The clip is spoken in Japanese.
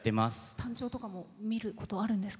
タンチョウとかも見ることあるんですか？